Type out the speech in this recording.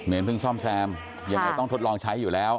เพิ่งซ่อมแซมยังไงต้องทดลองใช้อยู่แล้ว